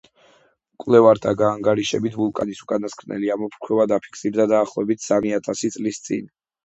მკვლევართა გაანგარიშებით, ვულკანის უკანასკნელი ამოფრქვევა დაფიქსირდა დაახლოებით სამი ათასი წლის წინ.